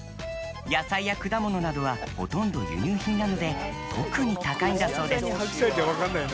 野菜や果物などはほとんど輸入品なので特に高いんだそうです。